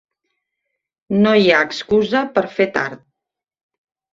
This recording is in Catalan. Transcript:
No hi ha excusa per fer tard.